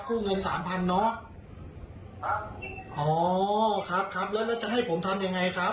คู่เงิน๓๐๐๐เนอะอ๋อครับครับแล้วจะให้ผมทำอย่างไรครับ